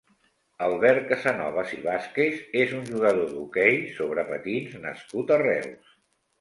Albert Casanovas i Vázquez és un jugador d'hoquei sobre patins nascut a Reus.